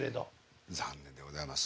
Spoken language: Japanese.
残念でございます。